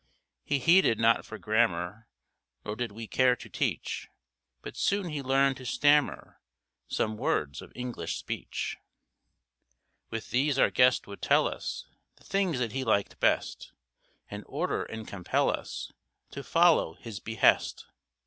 He heeded not for grammar, Nor did we care to teach, But soon he learned to stammer Some words of English speech. With these our guest would tell us The things that he liked best, And order and compel us To follow his behest.